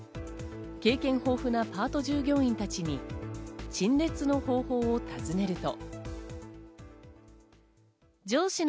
経験豊富なパート従業員たちに陳列の方法を尋ねると。